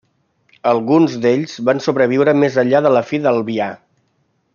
Alguns d'ells van sobreviure més enllà de la fi de l'Albià.